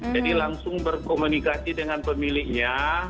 jadi langsung berkomunikasi dengan pemiliknya